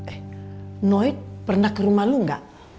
eh noit pernah ke rumah lo gak